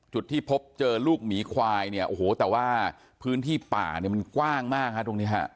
จุดที่พบเจอลูกหมีควายเนี่ยโอ้โหแต่ว่าพื้นที่ป่าเนี่ยมันกว้างมากฮะตรงนี้ฮะ